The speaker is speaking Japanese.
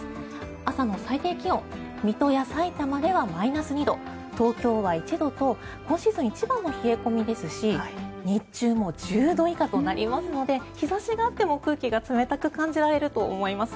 朝の最低気温水戸やさいたまではマイナス２度東京は１度と今シーズン一番の冷え込みですし日中も１０度以下となりますので日差しがあっても空気が冷たく感じられると思います。